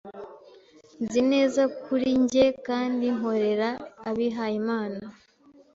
Nzi neza kuri njye kandi nkorera abihayimana